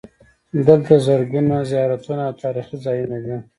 دلته زرګونه زیارتونه او تاریخي ځایونه دي.